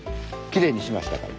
きれいにしましたから。